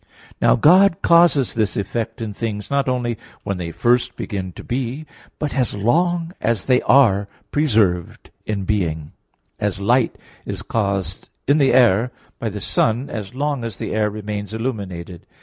Now God causes this effect in things not only when they first begin to be, but as long as they are preserved in being; as light is caused in the air by the sun as long as the air remains illuminated.